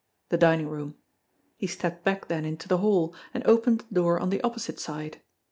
The dining room. He stepped back then into the hall, and opened a door on the opposite side.